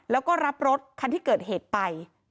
แล้วก็รับรถคันที่เกิดเหตุไป